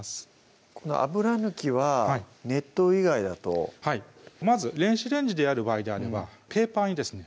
この油抜きは熱湯以外だとはいまず電子レンジでやる場合であればペーパーにですね